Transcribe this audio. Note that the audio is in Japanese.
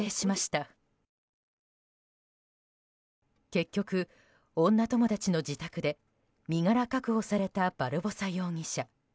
結局、女友達の自宅で身柄確保されたバルボサ容疑者。